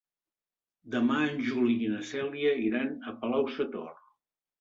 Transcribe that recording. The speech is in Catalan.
Demà en Juli i na Cèlia iran a Palau-sator.